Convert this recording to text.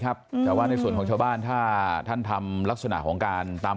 ครับแต่ว่าในส่วนของชาวบ้านถ้าท่านทำลักษณะของการตาม